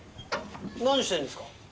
何してるんですか？